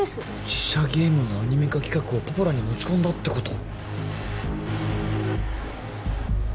自社ゲームのアニメ化企画をポポラに持ち込んだってこと？